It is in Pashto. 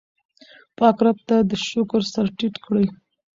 پاک رب ته د شکر سر ټیټ کړئ.